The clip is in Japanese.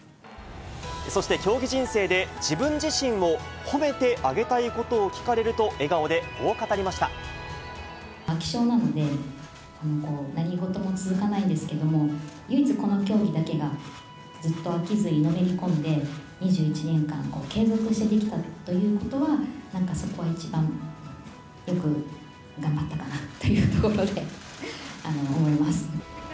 そして、競技人生で、自分自身を褒めてあげたいことを聞かれると、笑顔でこう語りまし飽き性なので、何事も続かないんですけれども、唯一、この競技だけがずっと飽きずに、のめり込んで、２１年間も継続してできたということは、なんかそこは一番、よく頑張ったかなっていうことで、思います。